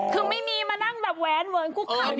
คือไม่มีมานั่งแบบแหวนเวิร์นคุกคาม